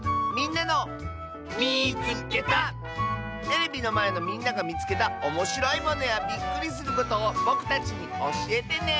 テレビのまえのみんながみつけたおもしろいものやびっくりすることをぼくたちにおしえてね！